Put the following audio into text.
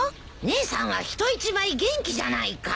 姉さんは人一倍元気じゃないか。